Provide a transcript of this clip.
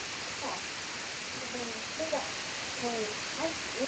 Blinky Bill received critical acclaim, and has become a national icon for Australia.